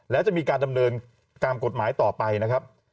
แล้วจะมีการดำเนินการกฎหมายต่อไปนะครับ